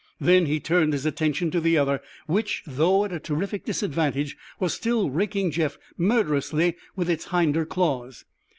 Then he turned his attention to the other, which, though at a terrific disadvantage, was still raking Jeff murderously with its hinder claws.